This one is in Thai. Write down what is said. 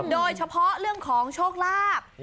โดยเฉพาะเรื่องของโชคลาภ